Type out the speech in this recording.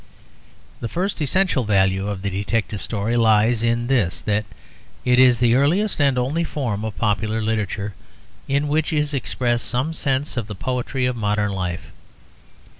The first essential value of the detective story lies in this, that it is the earliest and only form of popular literature in which is expressed some sense of the poetry of modern life.